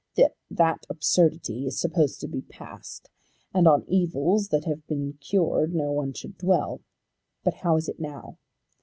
That absurdity is supposed to be past, and on evils that have been cured no one should dwell. But how is it now?